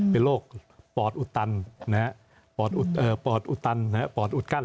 เป็นโรคปอดอุดตันปอดอุดกั้น